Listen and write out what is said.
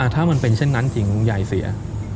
ถ้ามันเป็นเช่นนั้นจริงคุณยายเสีย